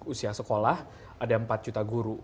usia sekolah ada empat juta guru